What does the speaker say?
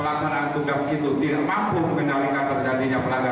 pelaksanaan tugas itu tidak mampu mengendalikan terjadinya pelanggaran